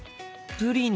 「プリン」。